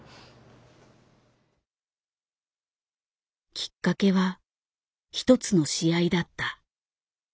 きっかけは一つの試合だった。